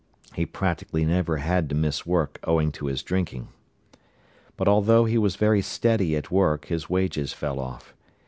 He practically never had to miss work owing to his drinking. But although he was very steady at work, his wages fell off.